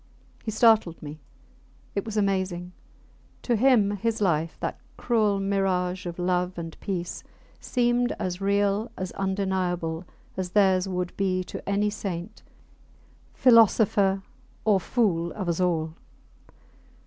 He startled me. It was amazing. To him his life that cruel mirage of love and peace seemed as real, as undeniable, as theirs would be to any saint, philosopher, or fool of us all.